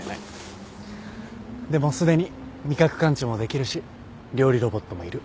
でもすでに味覚感知もできるし料理ロボットもいる。